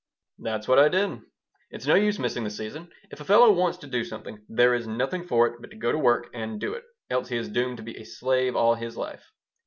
"That's what I did. It's no use missing the season. If a fellow wants to do something, there is nothing for it but to go to work and do it, else he is doomed to be a slave all his life."